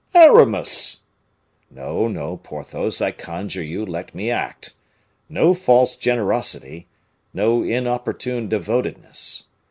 "Aramis!" "No, no, Porthos, I conjure you, let me act. No false generosity! No inopportune devotedness!